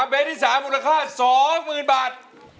เพลงที่๓มูลค่า๒๐๐๐บาท